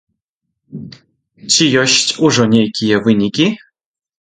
Ці ёсць ужо нейкія вынікі?